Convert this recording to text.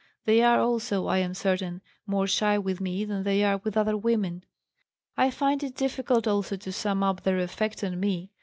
They are also, I am certain, more shy with me than they are with other women. "I find it difficult also to sum up their effect on me.